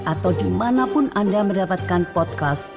atau dimanapun anda mendapatkan podcast